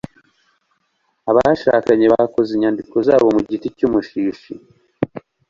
Abashakanye bakoze inyandiko zabo mu giti cy'umushishi.